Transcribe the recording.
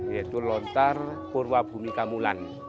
yaitu lontar purwabhumi kamulan